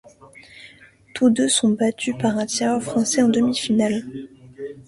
Tous deux sont battus par un tireur français en demi-finale.